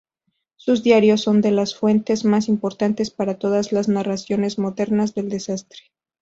Sus diarios son las fuentes más importantes para todas las narraciones modernas del desastre.